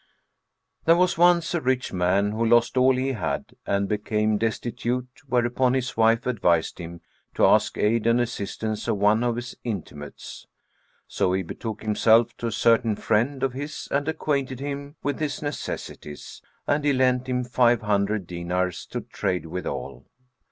There was once a rich man who lost all he had and became destitute, whereupon his wife advised him to ask aid and assistance of one of his intimates. So he betook himself to a certain friend of his and acquainted him with his necessities; and he lent him five hundred dinars to trade withal.